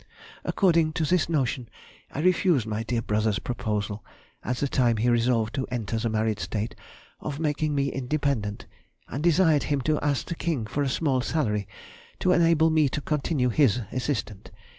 According to this notion I refused my dear brother's proposal (at the time he resolved to enter the married state) of making me independent, and desired him to ask the king for a small salary to enable me to continue his assistant.